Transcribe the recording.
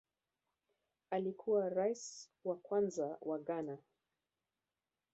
Alikuwa Rais wa kwanza wa Ghana